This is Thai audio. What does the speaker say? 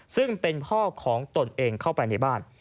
ซึ่งเป็นพ่อของตนเองเข้าไปในบ้าน